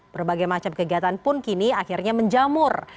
berbagai macam kegiatan pun kini akhirnya menjamur